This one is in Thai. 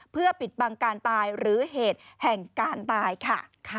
เพื่อปิดบังการตายหรือเหตุแห่งการตายค่ะ